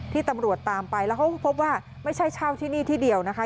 ตำรวจตามไปแล้วเขาก็พบว่าไม่ใช่เช่าที่นี่ที่เดียวนะคะ